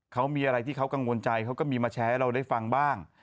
เขากังวลใจเขาก็มีมาแชร์ให้เราได้ฟังบ้าง